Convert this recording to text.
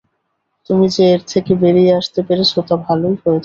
তুমি যে এর থেকে বেরিয়ে আসতে পেরেছ, তা ভালই হয়েছে।